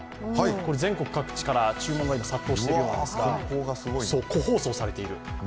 全国各地から注文が今、殺到しているそうなんですが個包装されている。